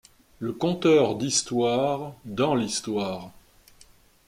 Le conteur d’histoire dans l’histoire.